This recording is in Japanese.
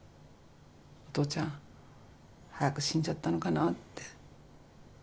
おとうちゃん早く死んじゃったのかなって。